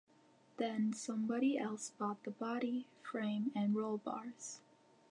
Then somebody else bought the body, frame and roll bars.